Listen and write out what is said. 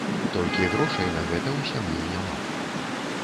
Толькі грошай на гэта ў сям'і няма.